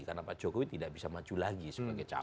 karena pak jokowi tidak bisa maju lagi sebagai capai